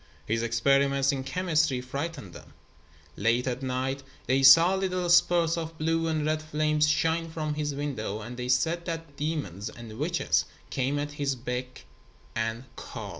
His experiments in chemistry frightened them. Late at nights they saw little spurts of blue and red flame shine from his window, and they said that demons and witches came at his beck and call.